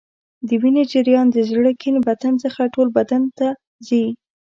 د وینې جریان د زړه کیڼ بطن څخه ټول بدن ته ځي.